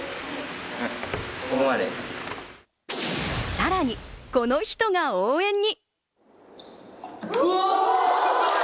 さらに、この人が応援に。